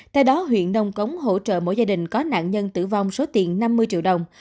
theo đó huyện nông cống hỗ trợ mỗi gia đình có nạn nhân tử vong số tiền năm mươi triệu đồng